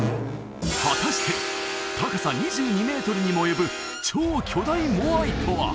果たして高さ２２メートルにも及ぶ超巨大モアイとは！？